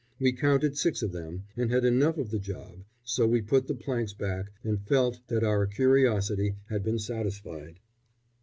We counted six of them, and had enough of the job, so we put the planks back, and felt that our curiosity had been satisfied.